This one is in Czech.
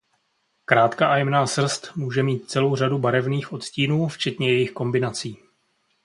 Krátká a jemná srst může mít celou řadu barevných odstínů včetně jejich kombinací.